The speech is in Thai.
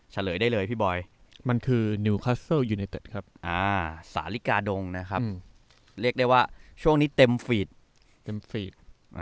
เฉลยได้เลยพี่บอยมันคือครับอ่าสาฬิกาดงนะครับอืมเรียกได้ว่าช่วงนี้เต็มฟีดเต็มฟีดอ่า